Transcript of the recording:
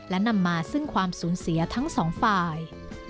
และนำมาซึ่งความสูญเสียทั้งสองฝ่าย